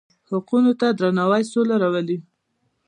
حقونو ته درناوی سوله راولي.